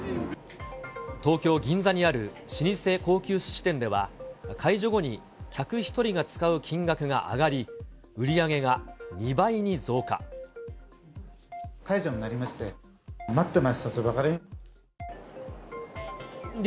東京・銀座にある老舗高級すし店では、解除後に客１人が使う金額が上がり、売り上げが２倍に解除になりまして、待ってましたとばかりに。